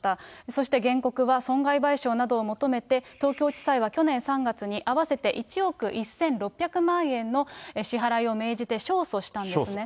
そして原告は、損害賠償などを求めて、東京地裁は去年３月に合わせて１億１６００万円の支払いを命じて勝訴したんですね。